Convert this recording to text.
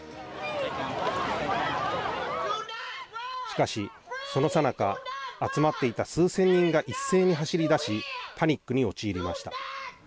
しかし、そのさなか集まっていた数千人が一斉に走り出しパニックに陥りました。